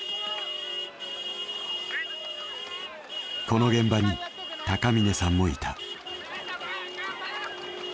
この現場に高峰さんもいた。